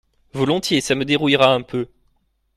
Volontiers, ça me dérouillera un peu.